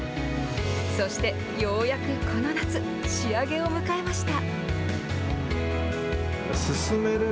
そして、ようやくこの夏仕上げを迎えました。